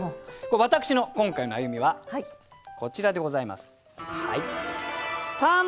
私の今回の歩みはこちらでございます。